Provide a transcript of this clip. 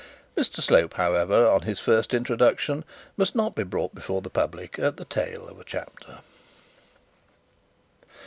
Mr Slope, however, on his first introduction must not be brought before the public at the tail of a chapter.